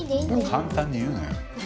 簡単に言うなよ。